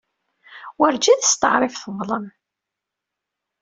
Werǧin testeɛṛif teḍlem.